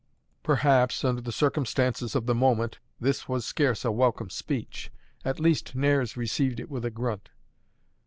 Perhaps, under the circumstances of the moment, this was scarce a welcome speech. At least, Nares received it with a grunt.